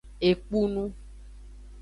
Ekpunu.